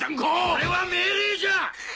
これは命令じゃ！